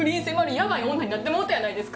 ヤバイ女になってもうたやないですか！